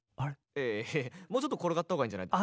いやいやもうちょっと転がったほうがいいんじゃない？